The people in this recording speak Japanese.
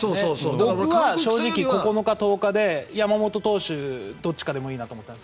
僕は正直９日、１０日で山本投手、どっちかでもいいなと思っています。